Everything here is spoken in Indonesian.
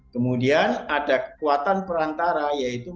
kemudian ada kekuatan perantara yaitu